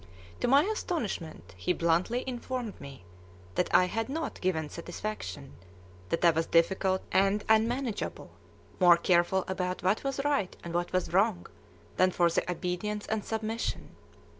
To my astonishment he bluntly informed me that I had not given satisfaction, that I was "difficult" and unmanageable, "more careful about what was right and what was wrong than for the obedience and submission."